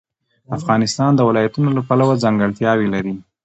افغانستان د ولایتونو له پلوه ځانګړتیاوې لري.